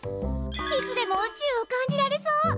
いつでも宇宙を感じられそう！